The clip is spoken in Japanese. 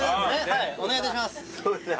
お願いいたします。